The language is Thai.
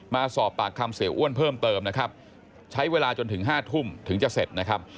มาสอบปากคำเสียอ้วนเพิ่มเติมนะครับใช้เวลาจนถึงห้าทุ่มถึงจะเสร็จนะครับ